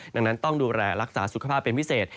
ดังนั้นต้องดูแลรักษาสุขภาพเป็นพิเศษ